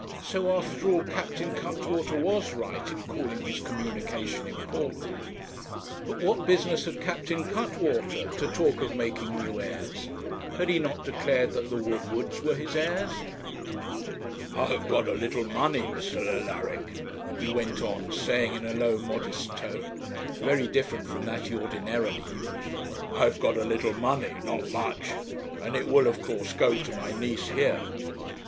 So after all Captain Cuttwater was right in calling his communication important. But what business had Captain Cuttwater to talk of making new heirs? had he not declared that the Woodwards were his heirs? 'I have got a little money, Mr. Alaric,' he went on saying in a low modest tone, very different from that he ordinarily used; 'I have got a little money not much and it will of course go to my niece here.'